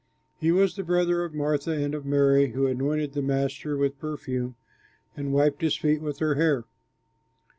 He was the brother of Martha and of the Mary who anointed the Master with perfume and wiped his feet with her hair.